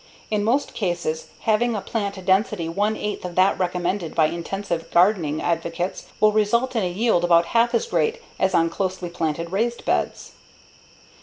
In most cases having a plant density one eighth of that recommended by intensive gardening advocates will result in a yield about half as great as on closely planted raised beds.